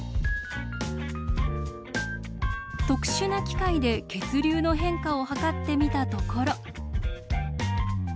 特殊な機械で血流の変化を測ってみたところ。